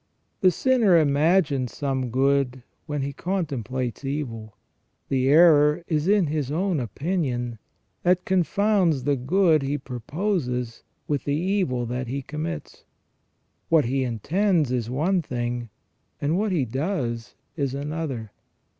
The sinner imagines some good when he contemplates evil ; the error is in his own opinion, that confounds the good he proposes with the evil that he commits. What he intends is one thing, and what he does is another.